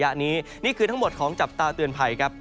นี้นี่คือทั้งหมดของจับตาเตือนภัยครับ